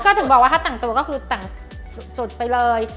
ก็ถึงบอกว่าถ้าแต่งตัวก็คือแต่งจุดไปเลย